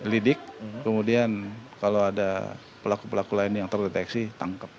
lidik kemudian kalau ada pelaku pelaku lain yang terdeteksi tangkep